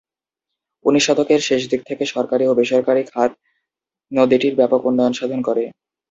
উনিশ শতকের শেষের দিক থেকে সরকারী ও বেসরকারী খাত নদীটির ব্যাপক উন্নয়ন সাধন করে।